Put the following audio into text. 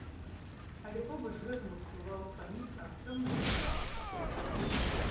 Але побач з гэтым ўсплываў успамін аб цёмных сенцах.